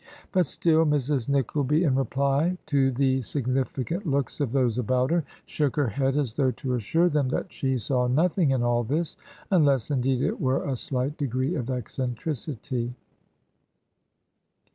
But still Mrs. Nickleby, in reply to the significant looks of those about her, shook her head as though to assure them that she saw nothing in all this, unless indeed it were a slight degree of eccentricity."